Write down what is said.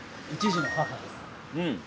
１児の母です。